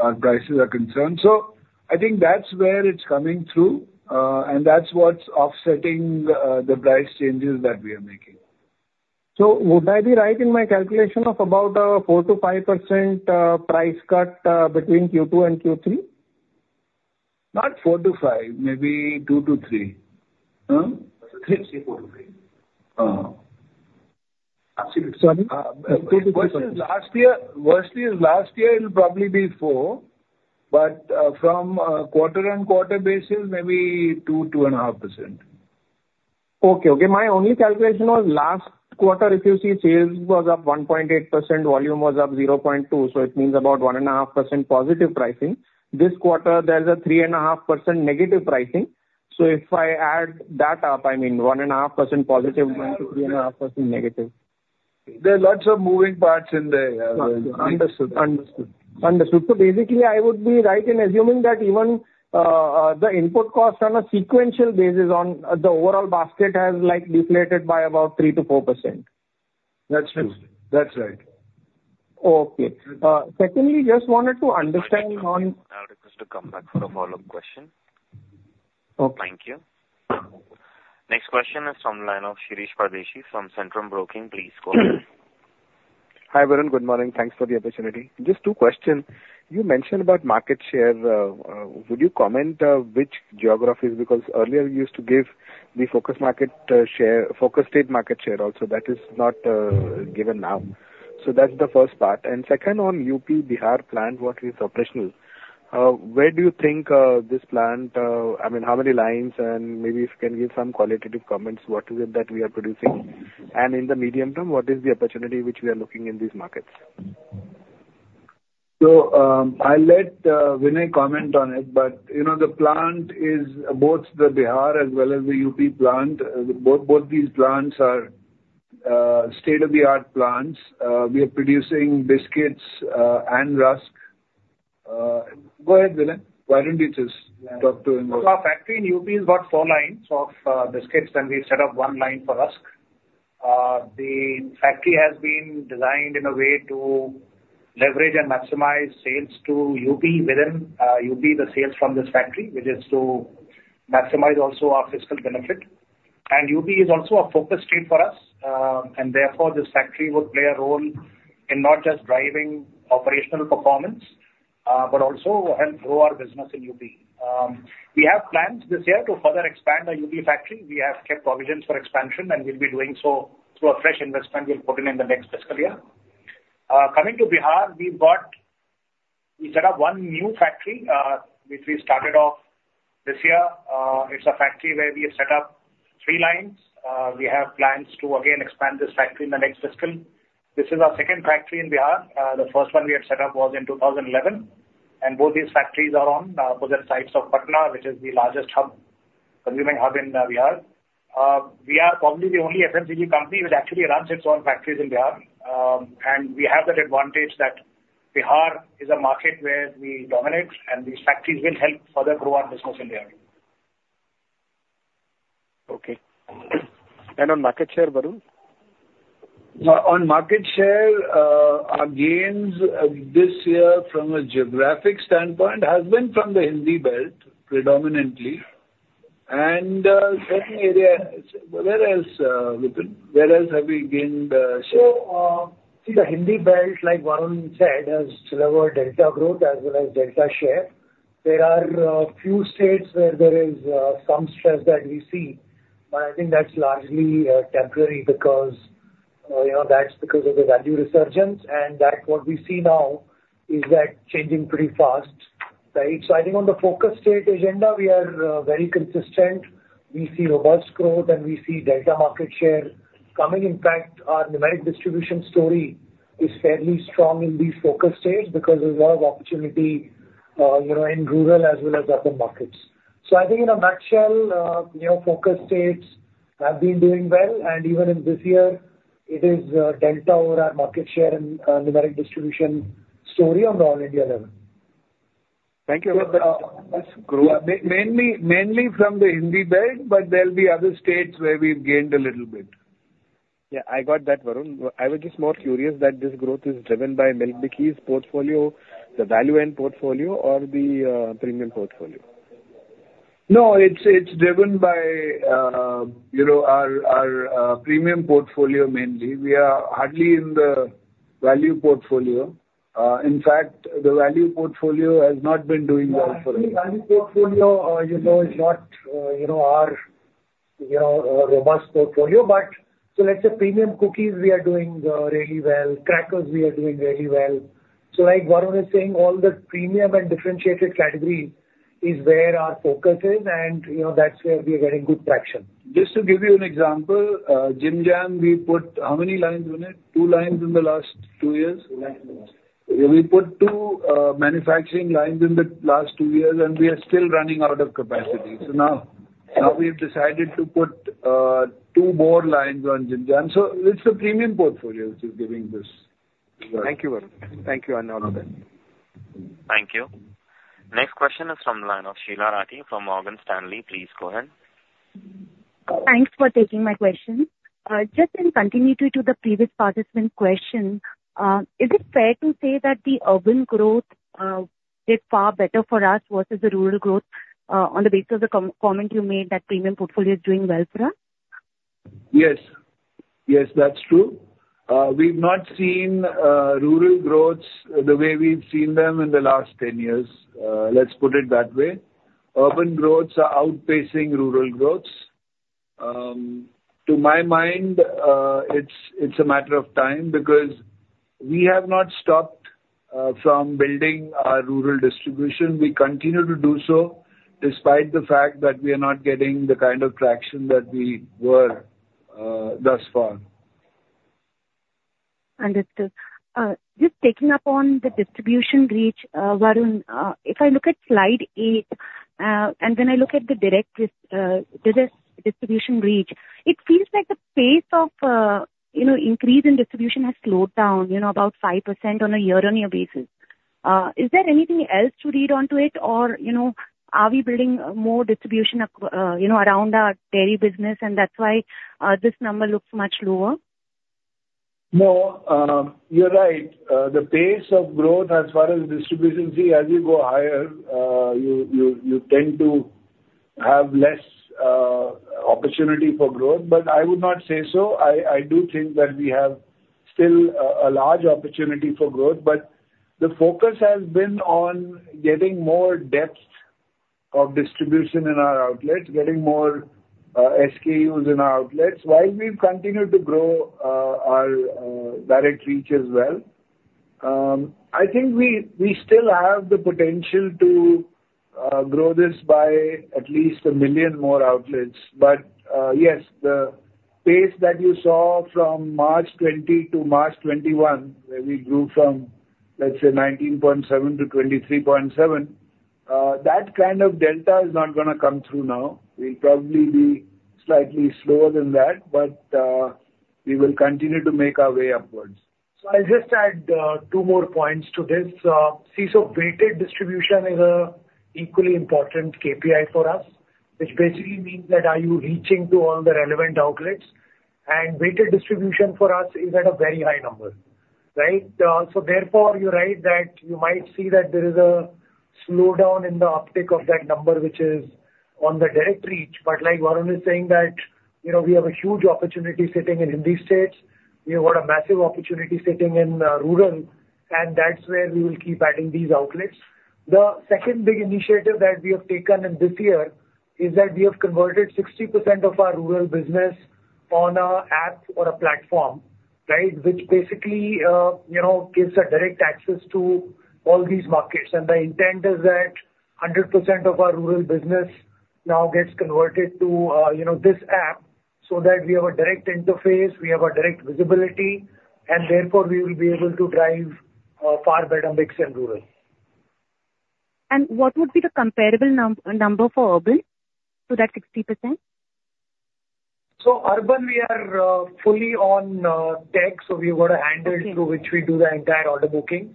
our prices are concerned. So I think that's where it's coming through, and that's what's offsetting the price changes that we are making. Would I be right in my calculation of about 4%-5% price cut between Q2 and Q3? Not 4-5, maybe 2-3. Hmm? 3 to 4 to 3. Uh... Sorry. versus last year, it'll probably be 4, but from a quarter-on-quarter basis, maybe 2-2.5%. Okay. Okay. My only calculation was last quarter, if you see, sales was up 1.8%, volume was up 0.2, so it means about 1.5% positive pricing. This quarter, there's a 3.5% negative pricing. So if I add that up, I mean, 1.5% positive, 3.5% negative. There are lots of moving parts in the, Understood. Understood. Understood. So basically, I would be right in assuming that even, the input cost on a sequential basis on the overall basket has, like, deflated by about 3%-4%? That's true. That's right. Okay. Secondly, just wanted to understand on- I would request to come back for a follow-up question. Okay. Thank you. Next question is from the line of Shirish Pardeshi from Centrum Broking. Please go ahead. Hi, Varun. Good morning. Thanks for the opportunity. Just two questions: You mentioned about market share. Would you comment which geographies? Because earlier you used to give the focus market share, focus state market share also, that is not given now. So that's the first part. And second, on UP, Bihar plant, what is operational, where do you think this plant... I mean, how many lines? And maybe you can give some qualitative comments, what is it that we are producing? And in the medium term, what is the opportunity which we are looking in these markets? So, I'll let Vinay comment on it, but, you know, the plant is both the Bihar as well as the UP plant. Both, both these plants are state-of-the-art plants. We are producing biscuits and rusk. Go ahead, Vinay. Why don't you just talk to him? Our factory in UP has got four lines of biscuits, and we set up one line for rusk. The factory has been designed in a way to leverage and maximize sales to UP, within UP, the sales from this factory, which is to maximize also our fiscal benefit. UP is also a focus state for us, and therefore, this factory would play a role in not just driving operational performance, but also help grow our business in UP. We have plans this year to further expand our UP factory. We have kept provisions for expansion, and we'll be doing so through a fresh investment we'll put in, in the next fiscal year. Coming to Bihar, we've got-... We set up one new factory, which we started off this year. It's a factory where we have set up three lines. We have plans to again expand this factory in the next fiscal. This is our second factory in Bihar. The first one we had set up was in 2011, and both these factories are on opposite sides of Patna, which is the largest hub, consuming hub in Bihar. We are probably the only FMCG company which actually runs its own factories in Bihar. And we have that advantage that Bihar is a market where we dominate, and these factories will help further grow our business in Bihar. Okay. And on market share, Varun? On market share, our gains this year from a geographic standpoint has been from the Hindi belt predominantly. And certain areas, whereas, Vipin, whereas have we gained share? So, see the Hindi belt, like Varun said, has delivered delta growth as well as delta share. There are few states where there is some stress that we see, but I think that's largely temporary because, you know, that's because of the value resurgence. And that, what we see now is that changing pretty fast, right? So I think on the focus state agenda, we are very consistent. We see robust growth, and we see delta market share coming. In fact, our numeric distribution story is fairly strong in these focus states because there's a lot of opportunity, you know, in rural as well as urban markets. So I think in a nutshell, you know, focus states have been doing well, and even in this year, it is delta over our market share and numeric distribution story on all India level. Thank you. Mainly, mainly from the Hindi belt, but there'll be other states where we've gained a little bit. Yeah, I got that, Varun. I was just more curious that this growth is driven by Milk Bikis portfolio, the value-end portfolio or the premium portfolio? No, it's driven by, you know, our premium portfolio mainly. We are hardly in the value portfolio. In fact, the value portfolio has not been doing well for us. The value portfolio, you know, is not, you know, our, you know, our robust portfolio, but so let's say premium cookies, we are doing, really well. Crackers, we are doing really well. So like Varun is saying, all the premium and differentiated category is where our focus is, and, you know, that's where we are getting good traction. Just to give you an example, Jim Jam, we put how many lines in it? 2 lines in the last 2 years. 2 lines in the last. We put 2 manufacturing lines in the last 2 years, and we are still running out of capacity. So now, now we've decided to put 2 more lines on Jim Jam. So it's the premium portfolio which is giving this. Thank you, Varun. Thank you, and all the best. Thank you. Next question is from the line of Sheela Rathi from Morgan Stanley. Please go ahead. Thanks for taking my question. Just in continuity to the previous participant's question, is it fair to say that the urban growth did far better for us versus the rural growth, on the basis of the comment you made that premium portfolio is doing well for us? Yes. Yes, that's true. We've not seen rural growths the way we've seen them in the last 10 years. Let's put it that way. Urban growths are outpacing rural growths. To my mind, it's a matter of time because we have not stopped from building our rural distribution. We continue to do so, despite the fact that we are not getting the kind of traction that we were thus far. Understood. Just taking up on the distribution reach, Varun, if I look at slide eight, and when I look at the direct distribution reach, it feels like the pace of, you know, increase in distribution has slowed down, you know, about 5% on a year-on-year basis. Is there anything else to read onto it? Or, you know, are we building more distribution you know, around our dairy business, and that's why this number looks much lower? No, you're right. The pace of growth as far as distribution, as you go higher, you tend to have less opportunity for growth, but I would not say so. I do think that we have still a large opportunity for growth. But the focus has been on getting more depth of distribution in our outlets, getting more SKUs in our outlets, while we've continued to grow our direct reach as well. I think we still have the potential to grow this by at least 1 million more outlets. But yes, the pace that you saw from March 2020 to March 2021, where we grew from, let's say, 19.7 to 23.7, that kind of delta is not gonna come through now. We'll probably be slightly slower than that, but we will continue to make our way upwards. So I'll just add, two more points to this. See, so weighted distribution is a equally important KPI for us, which basically means that are you reaching to all the relevant outlets? And weighted distribution for us is at a very high number, right? So therefore, you're right, that you might see that there is a slowdown in the uptick of that number, which is on the direct reach. But like Varun is saying, that, you know, we have a huge opportunity sitting in Hindi states. We have got a massive opportunity sitting in, rural, and that's where we will keep adding these outlets. ...The second big initiative that we have taken in this year is that we have converted 60% of our rural business on an app or a platform, right? Which basically, you know, gives a direct access to all these markets. And the intent is that 100% of our rural business now gets converted to, you know, this app, so that we have a direct interface, we have a direct visibility, and therefore we will be able to drive, far better mix in rural. What would be the comparable number for urban to that 60%? So urban, we are fully on tech, so we've got a handle- Okay. through which we do the entire order booking.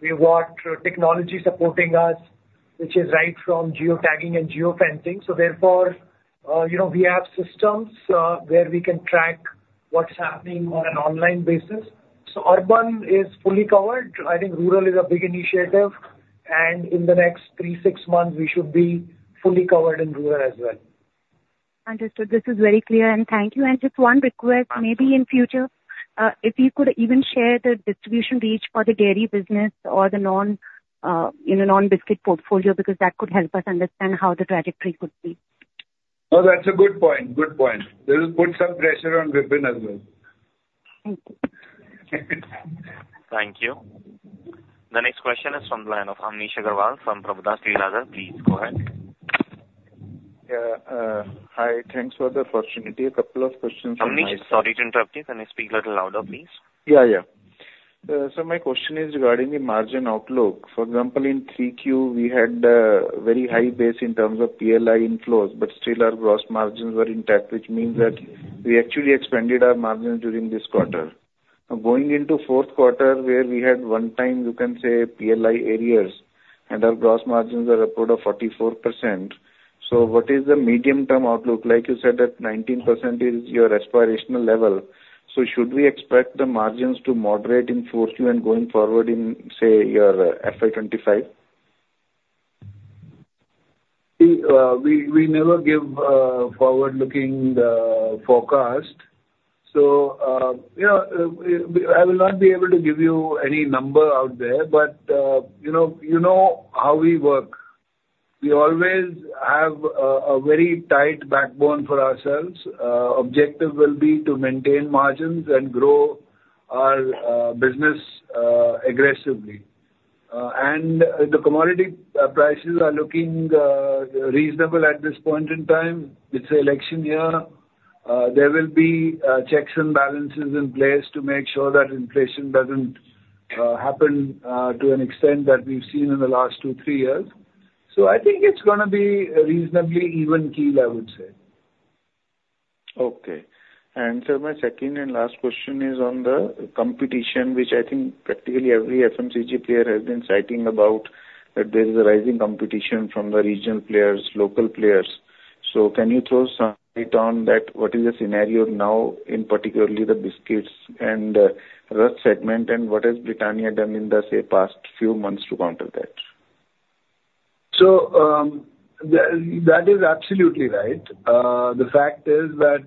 We want technology supporting us, which is right from geotagging and geo-fencing. So therefore, you know, we have systems, where we can track what's happening on an online basis. So urban is fully covered. I think rural is a big initiative, and in the next 3-6 months, we should be fully covered in rural as well. Understood. This is very clear, and thank you. And just one request, maybe in future, if you could even share the distribution reach for the dairy business or the non, you know, non-biscuit portfolio, because that could help us understand how the trajectory could be. Oh, that's a good point. Good point. We will put some pressure on Vipin as well. Thank you. Thank you. The next question is from the line of Amnish Aggarwal from Prabhudas Lilladher. Please go ahead. Yeah, hi, thanks for the opportunity. A couple of questions- Amnish, sorry to interrupt you. Can you speak a little louder, please? Yeah, yeah. So my question is regarding the margin outlook. For example, in 3Q, we had a very high base in terms of PLI inflows, but still our gross margins were intact, which means that we actually expanded our margins during this quarter. Now, going into fourth quarter, where we had one-time, you can say PLI arrears, and our gross margins are upward of 44%. So what is the medium-term outlook? Like you said, that 19% is your aspirational level. So should we expect the margins to moderate in Q4 and going forward in, say, your FY 2025? See, we never give forward-looking forecast. So, you know, we, I will not be able to give you any number out there, but, you know, you know how we work. We always have a very tight backbone for ourselves. Objective will be to maintain margins and grow our business aggressively. And the commodity prices are looking reasonable at this point in time. It's an election year. There will be checks and balances in place to make sure that inflation doesn't happen to an extent that we've seen in the last two, three years. So I think it's gonna be a reasonably even keel, I would say. Okay. And so my second and last question is on the competition, which I think practically every FMCG player has been citing about, that there is a rising competition from the regional players, local players. So can you throw some light on that? What is the scenario now in particularly the biscuits and rusk segment, and what has Britannia done in the, say, past few months to counter that? So, that is absolutely right. The fact is that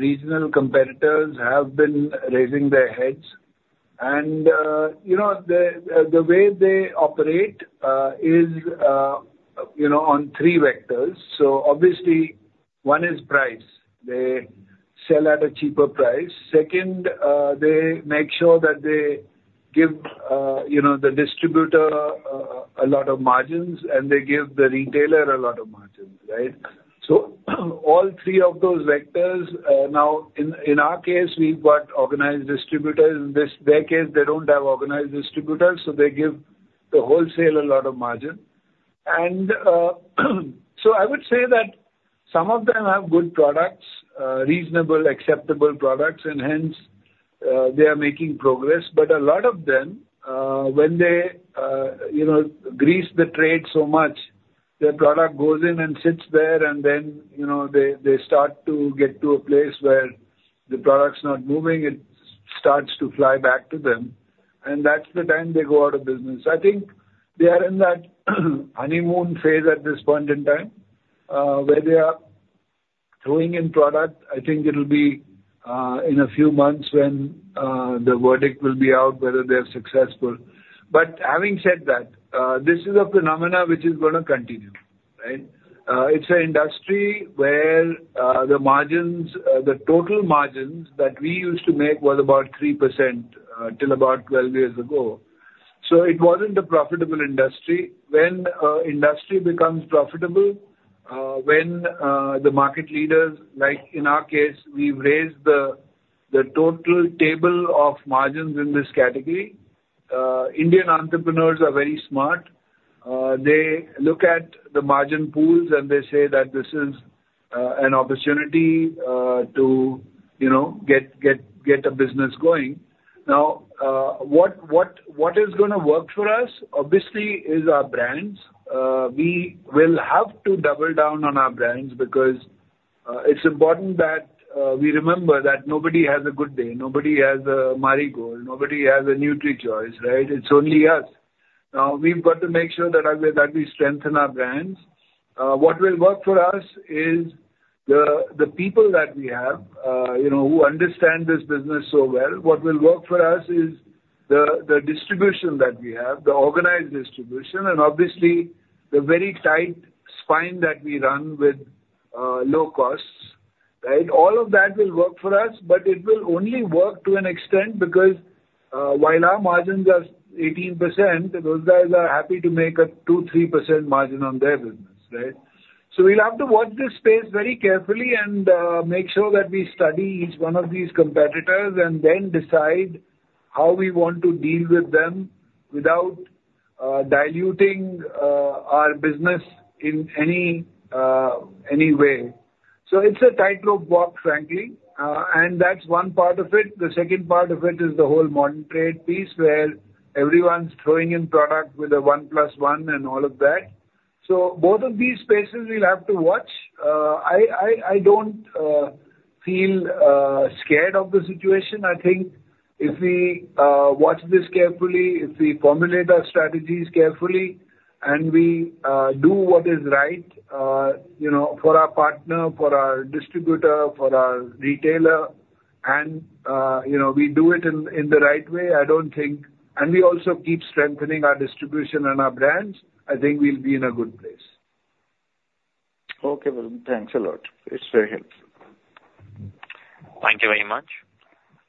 regional competitors have been raising their heads, and you know, the way they operate is you know, on three vectors. So obviously one is price. They sell at a cheaper price. Second, they make sure that they give you know, the distributor a lot of margins, and they give the retailer a lot of margins, right? So all three of those vectors, now in our case, we've got organized distributors. In their case, they don't have organized distributors, so they give the wholesaler a lot of margin. And so I would say that some of them have good products, reasonable, acceptable products, and hence they are making progress. But a lot of them, when they, you know, grease the trade so much, their product goes in and sits there, and then, you know, they, they start to get to a place where the product's not moving, it starts to fly back to them, and that's the time they go out of business. I think they are in that honeymoon phase at this point in time, where they are throwing in product. I think it'll be, in a few months when, the verdict will be out, whether they're successful. But having said that, this is a phenomena which is gonna continue, right? It's an industry where, the margins, the total margins that we used to make was about 3%, till about 12 years ago. So it wasn't a profitable industry. When industry becomes profitable, when the market leaders, like in our case, we've raised the total table of margins in this category. Indian entrepreneurs are very smart. They look at the margin pools, and they say that this is an opportunity to, you know, get a business going. Now, what is gonna work for us, obviously, is our brands. We will have to double down on our brands, because it's important that we remember that nobody has a Good Day, nobody has a Marie Gold, nobody has a NutriChoice, right? It's only us. Now, we've got to make sure that we strengthen our brands. What will work for us is the people that we have, you know, who understand this business so well. What will work for us is the distribution that we have, the organized distribution, and obviously, the very tight spine that we run with low costs, right? All of that will work for us, but it will only work to an extent because while our margins are 18%, those guys are happy to make a 2-3% margin on their business, right? So we'll have to watch this space very carefully and make sure that we study each one of these competitors and then decide how we want to deal with them without diluting our business in any way. So it's a tightrope walk, frankly, and that's one part of it. The second part of it is the whole modern trade piece, where everyone's throwing in product with a one plus one and all of that. So both of these spaces we'll have to watch. I don't feel scared of the situation. I think if we watch this carefully, if we formulate our strategies carefully, and we do what is right, you know, for our partner, for our distributor, for our retailer, and, you know, we do it in the right way, I don't think... And we also keep strengthening our distribution and our brands, I think we'll be in a good place. Okay, Varun. Thanks a lot. It's very helpful. Thank you very much.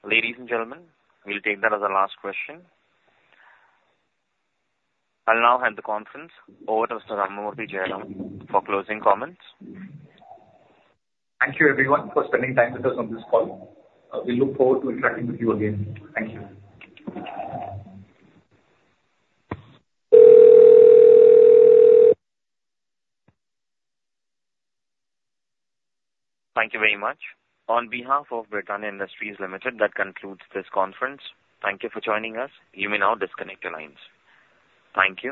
Ladies and gentlemen, we'll take that as our last question. I'll now hand the conference over to Mr. Ramamurthy Jayaraman for closing comments. Thank you, everyone, for spending time with us on this call. We look forward to interacting with you again. Thank you. Thank you very much. On behalf of Britannia Industries Limited, that concludes this conference. Thank you for joining us. You may now disconnect your lines. Thank you.